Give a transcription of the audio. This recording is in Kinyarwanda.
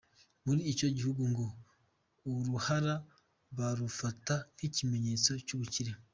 Muri icyo gihugu ngo uruhara barufata nk’ikimenyetso cy’ubukire.